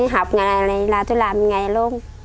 học ngày này là tôi làm ngày luôn